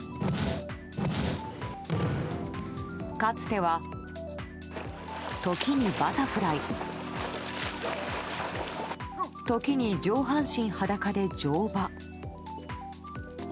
かつては、時にバタフライ時に上半身裸で乗馬。